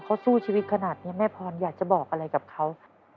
เขาสู้ชีวิตขนาดนี้แม่พรอยากจะบอกอะไรกับเขา